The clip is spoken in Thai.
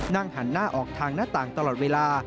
นั่งหันหน้าออกทางหน้าต่างตลอดเวลา